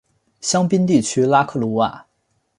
香槟地区拉克鲁瓦。